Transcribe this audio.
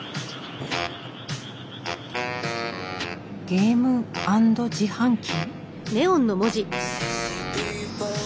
「ゲーム＆自販機」？